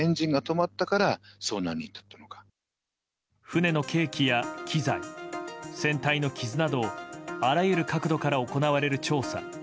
船の計器や機材、船体の傷などあらゆる角度から行われる調査。